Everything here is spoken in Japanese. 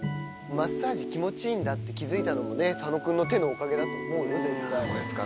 マッサージ気持ちいいんだって気付いたのもね佐野君の手のおかげだと思うよ絶対。